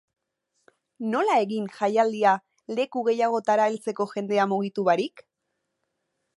Nola egin jaialdia leku gehiagotara heltzeko jendea mugitu barik?